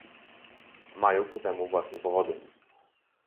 Mają ku temu własne powody